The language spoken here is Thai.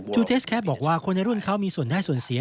เทสแคสบอกว่าคนในรุ่นเขามีส่วนได้ส่วนเสีย